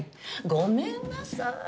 ごめんなさい。